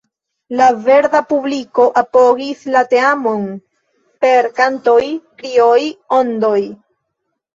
La verda publiko apogis la teamon per kantoj, krioj, ondoj.